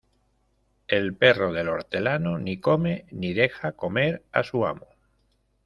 El perro del hortelano ni come, ni deja comer a su amo.